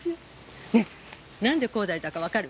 ねなんで高台寺だかわかる？